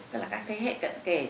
các thế hệ cận kể